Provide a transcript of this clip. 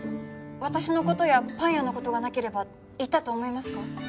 私のことやパン屋のことがなければ行ったと思いますか？